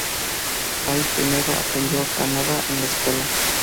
Rai primero aprendió Kannada en la escuela.